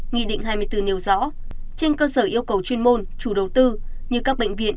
nghị định hai mươi bốn nêu rõ trên cơ sở yêu cầu chuyên môn chủ đầu tư như các bệnh viện